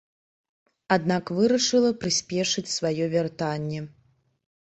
Аднак вырашыла прыспешыць сваё вяртанне.